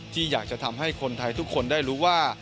ที่อยากจะทำให้คนไทยทุกคนได้รู้ว่า